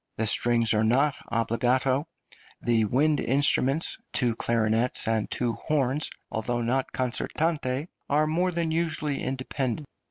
The strings are not obbligato, the wind instruments two clarinets and two horns although not concertante, are more than usually independent.